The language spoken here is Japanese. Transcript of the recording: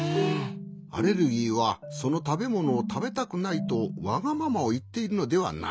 アレルギーはそのたべものをたべたくないとわがままをいっているのではない。